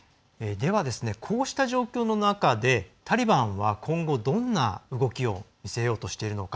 では、こうした状況の中でタリバンは今後どんな動きを見せようとしているのか。